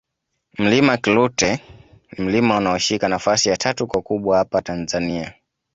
Mlima Klute ni mlima unaoshika nafasi ya tatu kwa ukubwa hapa Tanzania